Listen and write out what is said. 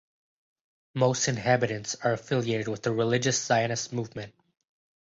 Most inhabitants are affiliated with the Religious Zionist Movement.